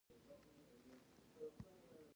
د خلکو غږ ارزښت لري او باید حق ورکړل شي.